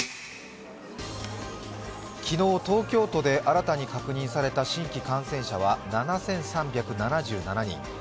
昨日東京都で新たに確認された新規感染者は７３７３人。